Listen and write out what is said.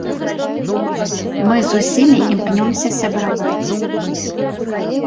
Мы з усімі імкнёмся сябраваць.